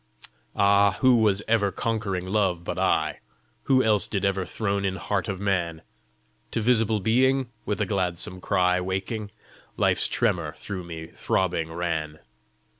"Ah, who was ever conquering Love but I! Who else did ever throne in heart of man! To visible being, with a gladsome cry Waking, life's tremor through me throbbing ran!"